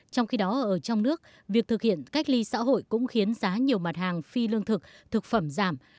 trong khi đó ở trong nước việc thực hiện cách ly xã hội cũng khiến giá nhiều mặt hàng phi lương thực thực phẩm giảm